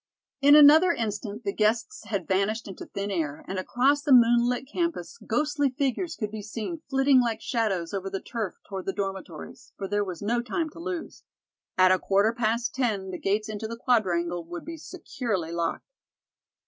In another instant the guests had vanished into thin air and across the moonlit campus ghostly figures could be seen flitting like shadows over the turf toward the dormitories, for there was no time to lose. At a quarter past ten the gates into the Quadrangle would be securely locked.